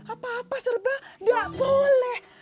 apa apa serba gak boleh